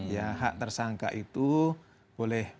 ya hak tersangka itu boleh